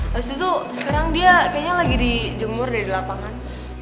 habis itu sekarang dia kayaknya lagi dijemur dari lapangan